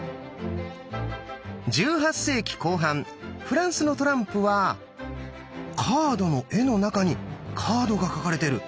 １８世紀後半フランスのトランプはカードの絵の中にカードが描かれてる。